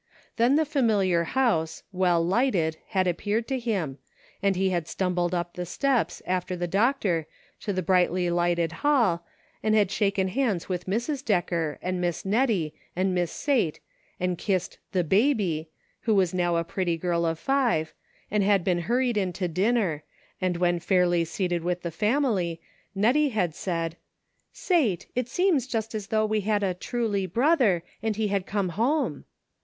Then the familiar house, well lighted, had appeared to him, and he had stumbled up the steps, after the doctor, to the brightly lighted hall, and had shaken hands with Mrs. Decker, and Miss Nettie, and Miss Sate and kissed "the baby," who was now a pretty girl of five, and had been hurried in to dinner, and when fairly seated with the family, Nettie had said, "Sate, it seems just as though we had a * truly ' brother, and he had come home."